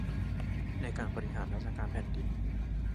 ในการบริหารราชการแผ่นดิน